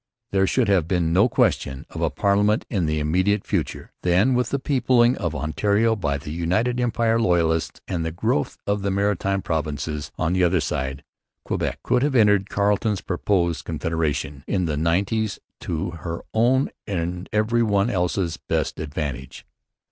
There should have been no question of a parliament in the immediate future. Then, with the peopling of Ontario by the United Empire Loyalists and the growth of the Maritime Provinces on the other side, Quebec could have entered Carleton's proposed Confederation in the nineties to her own and every one else's best advantage.